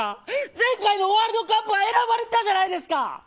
前回のワールドカップは選ばれたじゃないですか。